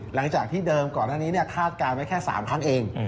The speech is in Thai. หลังจากที่เดิมก่อนหน้านี้คาดการณ์ไว้แค่๓ครั้งเอง